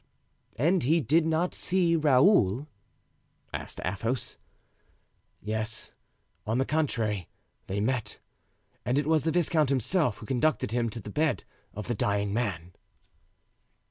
"And he did not see Raoul?" asked Athos. "Yes, on the contrary, they met, and it was the viscount himself who conducted him to the bed of the dying man."